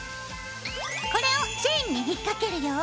これをチェーンに引っ掛けるよ。